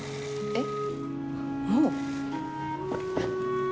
えっ？